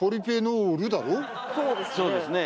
そうですね。